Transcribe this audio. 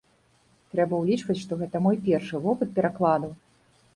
Трэба ўлічваць, што гэта мой першы вопыт перакладу.